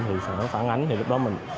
thì sẽ phản ánh thì lúc đó mình